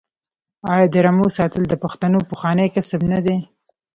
آیا د رمو ساتل د پښتنو پخوانی کسب نه دی؟